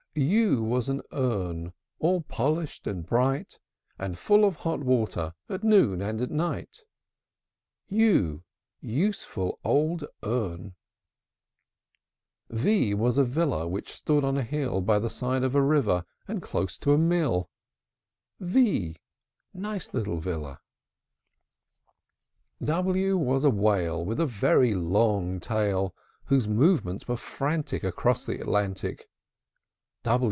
U U was an urn All polished and bright, And full of hot water At noon and at night. u! Useful old urn! V V was a villa Which stood on a hill, By the side of a river, And close to a mill. v! Nice little villa! W W was a whale With a very long tail, Whose movements were frantic Across the Atlantic.